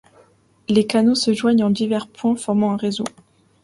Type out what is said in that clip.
Les canaux se joignent en divers points en formant un réseau.